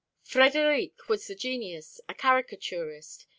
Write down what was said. Frédéric was the genius, a caricaturist.